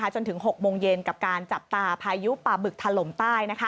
จนถึง๖โมงเย็นกับการจับตาพายุปลาบึกถล่มใต้